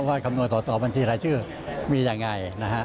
ว่าคำนวณสอบัญชีรายชื่อมีอย่างไร